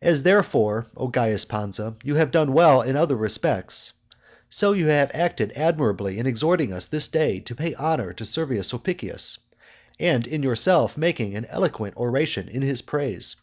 As therefore, O Caius Pansa, you have done well in other respects, so you have acted admirably in exhorting us this day to pay honour to Servius Sulpicius, and in yourself making an eloquent oration in his praise.